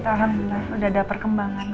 alhamdulillah sudah ada perkembangan